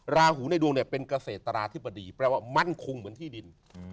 ราหูในดวงเนี่ยเป็นเกษตราธิบดีแปลว่ามั่นคงเหมือนที่ดิน